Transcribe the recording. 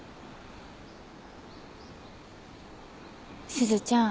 すずちゃん。